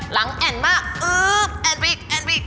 หลังแอ่นมาก